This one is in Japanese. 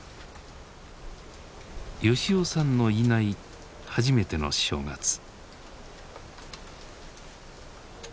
吉男さんのいない初めての正月。